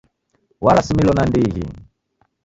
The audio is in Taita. Warasimilo nandighi.